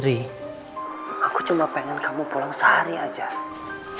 aku cuma pengen kamu pulang sehari aja